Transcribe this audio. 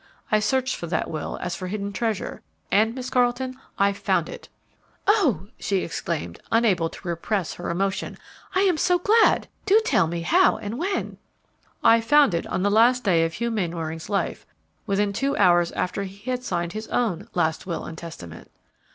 I searched for that will as for hidden treasure, and, Miss Carleton, I found it!" "Oh!" she exclaimed, unable to repress her emotion, "I am so glad! Do tell me how and when!" "I found it on the last day of Hugh Mainwaring's life, within two hours after he had signed his own last will and testament."